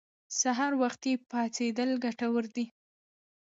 سهار وختي پاڅېدل ګټور دي.